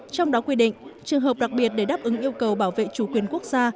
trong đó quy định trường hợp đặc biệt để đáp ứng yêu cầu bảo vệ chủ quyền quốc gia